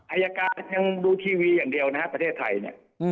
อายการยังดูทีวีอย่างเดียวนะฮะประเทศไทยเนี่ย